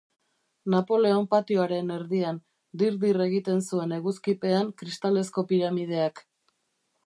Napoleon patioaren erdian, dir-dir egiten zuen eguzkipean kristalezko piramideak.